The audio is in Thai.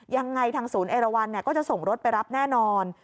ยังไงทางศูนย์เอราวันก็จะส่งรถไปรับแน่นอน